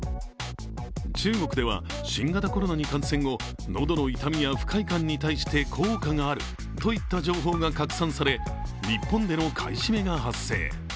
中国では新型コロナに感染後、喉の痛みや不快感に対して効果があるといった情報が拡散され日本での買い占めが発生。